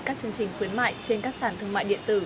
các chương trình khuyến mại trên các sản thương mại điện tử